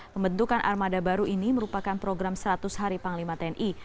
pembentukan armada baru ini merupakan program seratus hari panglima tni